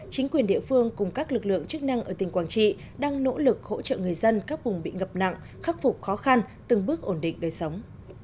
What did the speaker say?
chính quyền địa phương cùng các lực lượng chức năng ở tỉnh quảng trị đang nỗ lực hỗ trợ người dân các vùng bị ngập nặng khắc phục khó khăn từng bước ổn định đời sống